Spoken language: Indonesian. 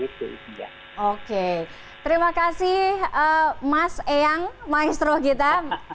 oke terima kasih mas eyang maestro kita